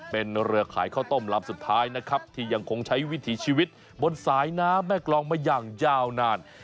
เป็นเรือขายข้าวต้มลำสุดท้ายนะครับที่ยังคงใช้วิถีชีวิตบนสายน้ำแม่กรองมาอย่างยาวนาน